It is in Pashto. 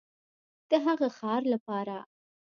د هغه ښار لپاره